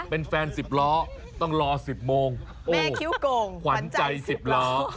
เป็นแฟน๑๐ล้อต้องรอ๑๐โมงมีคิ้วโก่งขวัญใจ๑๐ล้อ